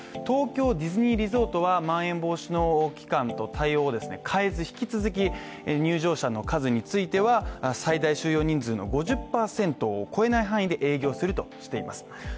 東京ディズニーリゾートはまん延防止の期間と対応を変えず引き続き入場者の数については最大収容人数の５０％を超えない範囲で営業をするとしています。